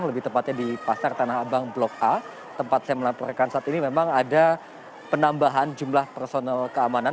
lebih tepatnya di pasar tanah abang blok a tempat saya melaporkan saat ini memang ada penambahan jumlah personel keamanan